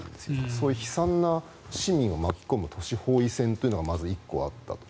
そういう悲惨な市民を巻き込む都市包囲戦というのがまず１個あった。